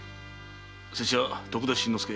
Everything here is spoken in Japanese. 拙者は徳田新之助